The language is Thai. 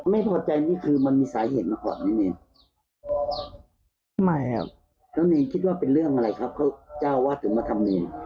ไม่พอใจนี่คือมันมีสายเหตุเหรอครับนี่นี่